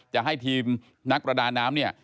จะให้ทีมนักประดาน้ำเนี่ย